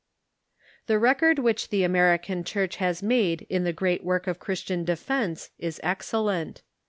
The record which the American Church has made in the great work of Christian defence is excellent.